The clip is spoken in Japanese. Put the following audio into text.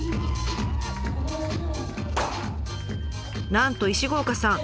なんと石郷岡さん